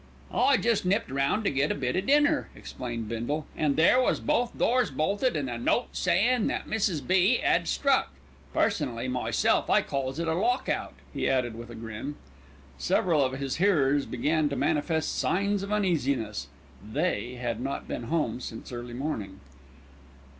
"I jest nipped round to get a bit o' dinner," explained Bindle, "and there was both doors bolted, an' a note a sayin' that Mrs. B. 'ad struck. Personally, myself, I calls it a lock out," he added with a grin. Several of his hearers began to manifest signs of uneasiness. They had not been home since early morning.